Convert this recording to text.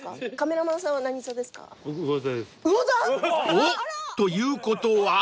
［おっ！ということは？］